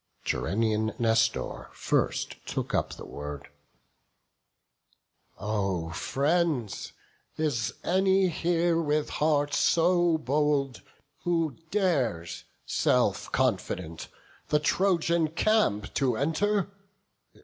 Gerenian Nestor first took up the word: "O friends! is any here with heart so bold Who dares, self confident, the Trojan camp To enter?